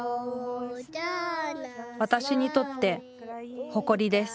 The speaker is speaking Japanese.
私にとって誇りです